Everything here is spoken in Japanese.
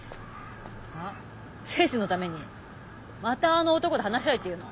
あ？征二のためにまたあの男と話し合えっていうの？